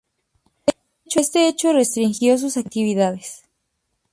Este hecho restringió sus actividades.